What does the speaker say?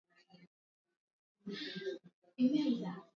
mshauri maalum kwa Libya wa katibu mkuu wa Umoja wa Mataifa